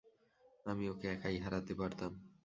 আমি ওকে একাই হারাতে পারতাম।